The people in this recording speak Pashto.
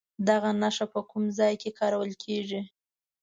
دغه نښه په کوم ځای کې کارول کیږي؟